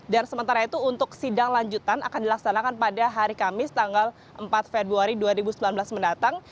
dan sementara itu untuk sidang lanjutan akan dilaksanakan pada hari kamis tanggal empat februari dua ribu sembilan belas mendatang